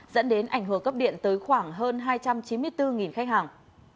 dẫn đến ảnh hưởng cấp điện tới khoảng hơn hai trăm chín mươi bốn khách hàng